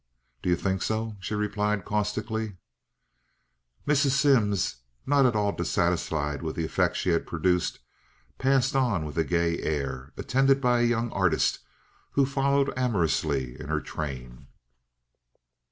"Do you think so?" she replied, caustically. Mrs. Simms, not all dissatisfied with the effect she had produced, passed on with a gay air, attended by a young artist who followed amorously in her train.